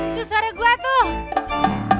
itu suara gue tuh